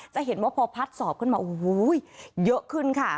จะเห็นว่าพอพัดสอบขึ้นมาโอ้โหเยอะขึ้นค่ะ